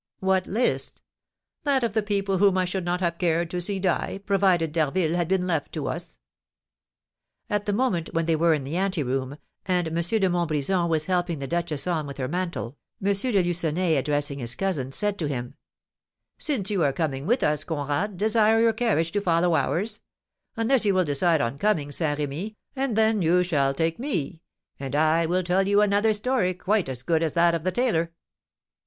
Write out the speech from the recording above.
"What list?" "That of the people whom I should not have cared to see die, provided D'Harville had been left to us." At the moment when they were in the anteroom, and M. de Montbrison was helping the duchess on with her mantle, M. de Lucenay, addressing his cousin, said to him: "Since you are coming with us, Conrad, desire your carriage to follow ours; unless you will decide on coming, Saint Remy, and then you shall take me, and I will tell you another story quite as good as that of the tailor."